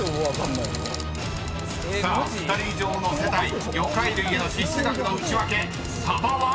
［２人以上の世帯魚介類への支出額のウチワケサバは⁉］